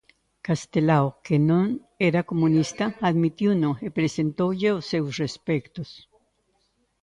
Castelao, "que non era comunista", admitiuno e presentoulle os seus respectos.